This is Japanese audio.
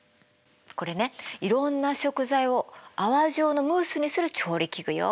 これねいろんな食材を泡状のムースにする調理器具よ。